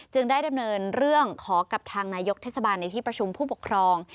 ได้ดำเนินเรื่องขอกับทางนายกเทศบาลในที่ประชุมผู้ปกครอง